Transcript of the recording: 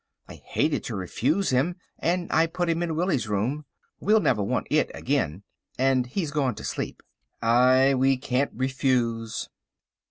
I hated to refuse him, and I put him in Willie's room. We'll never want it again, and he's gone to sleep." "Ay, we can't refuse."